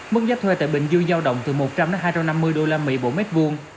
mức giá thuê tại bình dương giao động từ một trăm linh hai trăm năm mươi usd mỗi mét vuông